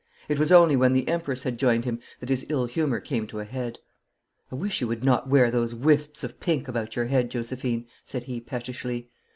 It was only when the Empress had joined him that his ill humour came to a head. 'I wish you would not wear those wisps of pink about your head, Josephine,' said he, pettishly.